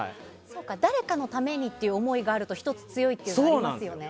誰かのためにという思いがあると１つ強いというのはありますよね。